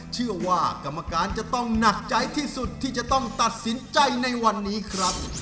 เชื่อว่ากรรมการจะต้องหนักใจที่สุดที่จะต้องตัดสินใจในวันนี้ครับ